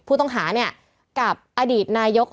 ผู้ต้องหาเนี่ยกับอดีตนายก